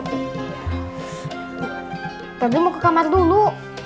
tadi mau ke kamar dulu